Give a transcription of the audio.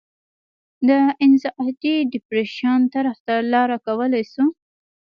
او انزائټي ډپرېشن طرف ته لار کولاو شي